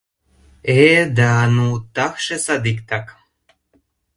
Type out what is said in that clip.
Э, да... ну, такше садиктак.